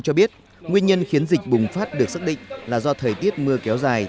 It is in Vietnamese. cho biết nguyên nhân khiến dịch bùng phát được xác định là do thời tiết mưa kéo dài